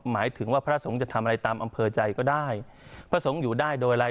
หมายถึงว่าพระสงฆ์จะทำอะไรตามอำเภอใจก็ได้พระสงฆ์อยู่ได้โดยอะไร